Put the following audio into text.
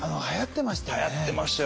はやってましたね。